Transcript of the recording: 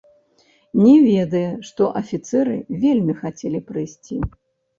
Не ведае, што афіцэры вельмі хацелі прыйсці.